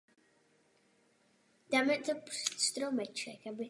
I v orchestrální a komorní hudbě se věnoval úpravám skladeb jiných autorů.